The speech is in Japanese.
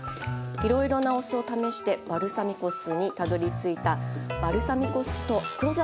いろいろなお酢を試してバルサミコ酢にたどりついたバルサミコ酢と黒砂糖ですね